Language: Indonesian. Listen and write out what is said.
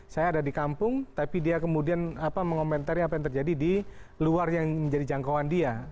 saya ada di kampung tapi dia kemudian mengomentari apa yang terjadi di luar yang menjadi jangkauan dia